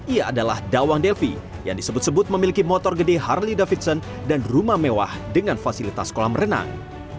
ia adalah dawang delvi yang disebut sebut memiliki motor gede harley davidson dan rumah mewah dengan fasilitas kolam renang